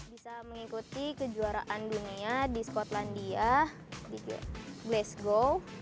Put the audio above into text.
bisa mengikuti kejuaraan dunia di skotlandia di glace go